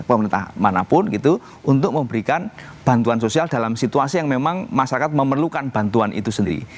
pemerintah manapun gitu untuk memberikan bantuan sosial dalam situasi yang memang masyarakat memerlukan bantuan itu sendiri